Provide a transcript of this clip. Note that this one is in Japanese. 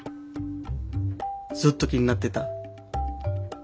ずっと気になってた。